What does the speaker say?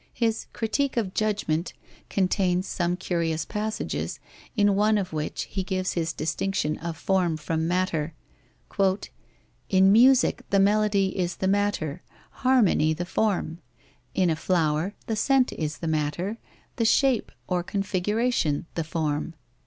His Critique of Judgment contains some curious passages, in one of which he gives his distinction of form from matter: "In music, the melody is the matter, harmony the form: in a flower, the scent is the matter, the shape or configuration the form."